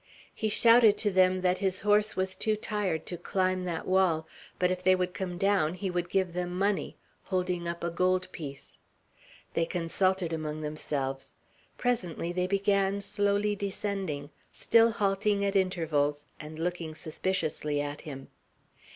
He shouted to them that his horse was too tired to climb that wall; but if they would come down, he would give them money, holding up a gold piece. They consulted among themselves; presently they began slowly descending, still halting at intervals, and looking suspiciously at him.